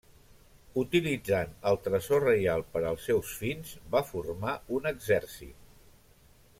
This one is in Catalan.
Utilitzant el tresor reial per als seus fins, va formar un exèrcit.